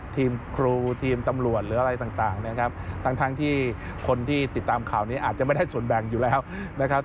ทีมครูทีมตำรวจหรืออะไรต่างนะครับทั้งทั้งที่คนที่ติดตามข่าวนี้อาจจะไม่ได้ส่วนแบ่งอยู่แล้วนะครับ